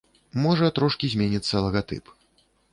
Можа трошкі зменіцца лагатып.